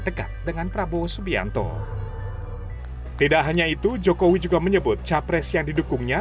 dekat dengan prabowo subianto tidak hanya itu jokowi juga menyebut capres yang didukungnya